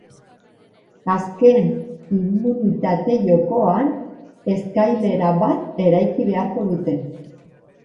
Azken immunitate-jokoan, eskailera bat eraiki beharko dute.